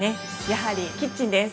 やはりキッチンです。